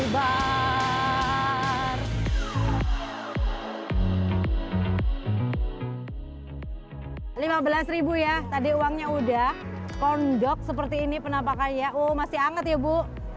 berkibar lima belas ya tadi uangnya udah pondok seperti ini penampakannya oh masih anget ya bu